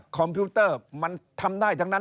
คอมพิวเตอร์มันทำได้ทั้งนั้น